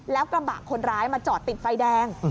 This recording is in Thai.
แล้วกระบะคนร้ายมาจอดติดไฟแดง